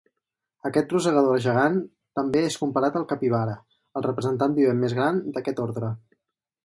Aquest rosegador gegant també és comparat al capibara, el representant vivent més gran d'aquest ordre.